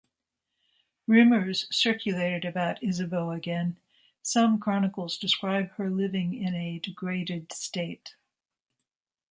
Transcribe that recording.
Rumors circulated about Isabeau again; some chronicles describe her living in a "degraded state".